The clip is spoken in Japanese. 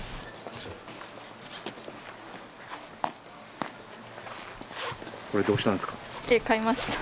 これどうしたんですか？